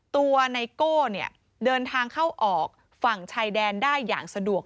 ไนโก้เดินทางเข้าออกฝั่งชายแดนได้อย่างสะดวก